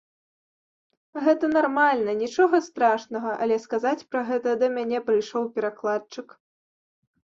Гэта нармальна, нічога страшнага, але сказаць пра гэта да мяне прыйшоў перакладчык.